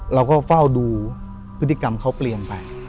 เราก็เฝ้าดูพฤติกรรมเขาเปลี่ยนไป